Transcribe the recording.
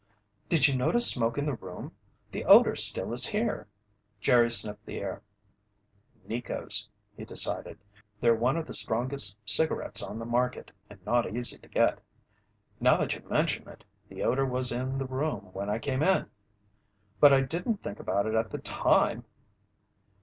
"Did you notice smoke in the room? The odor still is here." Jerry sniffed the air. "Neco's," he decided. "They're one of the strongest cigarettes on the market and not easy to get. Now that you mention it, the odor was in the room when I came in! But I didn't think about it at the time."